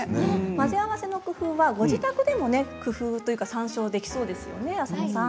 混ぜ合わせの工夫はご自宅でもね工夫というか参照できそうですよね浅尾さん。